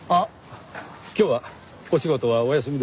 今日はお仕事はお休みですか？